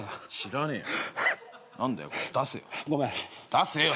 出せよ！